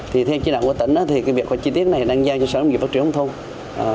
thì theo kế hoạch của tỉnh thì việc khoạch chi tiết này đang giao cho sở nông nghiệp phát triển hồng thu